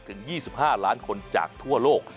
ถึง๒๕ล้านคนจากทั่วโลก